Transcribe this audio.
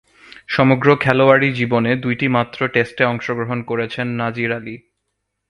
সমগ্র খেলোয়াড়ী জীবনে দুইটিমাত্র টেস্টে অংশগ্রহণ করেছেন নাজির আলী।